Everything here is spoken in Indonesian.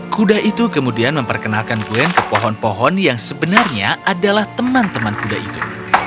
kuda itu kemudian memperkenalkan glenn ke pohon pohon yang sebenarnya adalah teman teman kuda itu